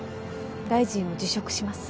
大臣を辞職します。